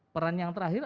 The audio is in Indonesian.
peran yang terakhir